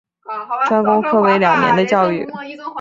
专攻科为两年的教育。